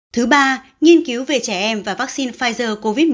thứ ba nghiên cứu về trẻ em và vaccine pfizer covid một mươi chín